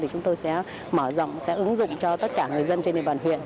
chúng tôi sẽ mở rộng sẽ ứng dụng cho tất cả người dân trên địa bàn huyện